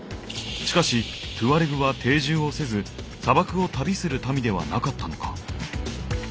しかしトゥアレグは定住をせず砂漠を旅する民ではなかったのか？